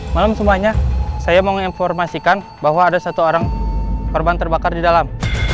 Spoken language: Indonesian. malam semuanya saya mau menginformasikan bahwa ada satu orang korban terbakar di dalam